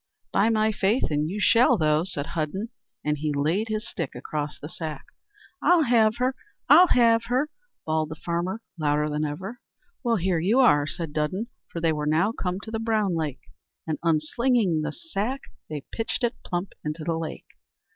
"By my faith and you shall though," said Hudden, and he laid his stick across the sack. "I'll have her! I'll have her!" bawled the farmer, louder than ever. "Well, here you are," said Dudden, for they were now come to the Brown Lake, and, unslinging the sack, they pitched it plump into the lake.